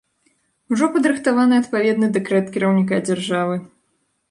Ужо падрыхтаваны адпаведны дэкрэт кіраўніка дзяржавы.